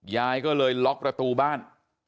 ยายก็เลยล็อกประตูบ้าน